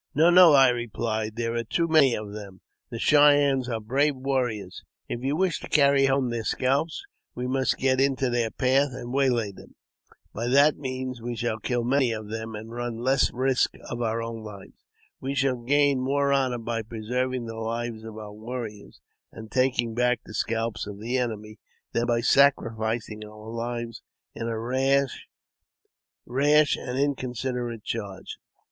"No, no," I replied; "there are too many of them; the Cheyennes are brave warriors ! if you wish to carry home their scalps, ,we must get into their path and waylay them ; by that 11 162 AUTOBIOGRAPHY OF f ouli le 1 means we shall kill many of them, and run less risk of own lives. We shall gain more honour by preserving the lives of our warriors, and taking back the scalps of the enemy than by sacrificing our lives in a rash and inconsiderate charge."